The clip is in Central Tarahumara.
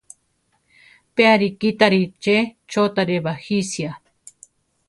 Pe arikítari che chótare bajisia.